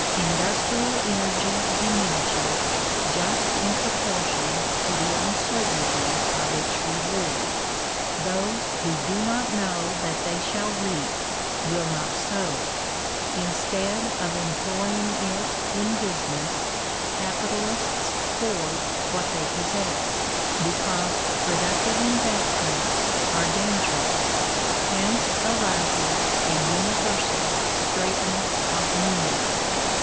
Industrial energy diminishes just in proportion to the uncertainty of its reward. Those who do Digitized by VjOOQIC THE RIGHT OF PROPERTY IN IDEAS. 141 not know that they shall reap will not sow. Instead of em* ploying it in business, capitalists hoard what they possess, because productive investments are dangerous. Hence arises a universal straitness of means.